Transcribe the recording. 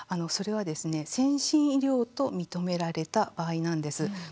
それはですね、先進医療と認められた場合なんです。